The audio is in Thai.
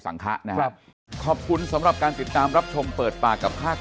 คะนะครับขอบคุณสำหรับการติดตามรับชมเปิดปากกับภาค